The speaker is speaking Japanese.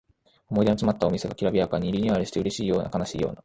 思い出のつまったお店がきらびやかにリニューアルしてうれしいような悲しいような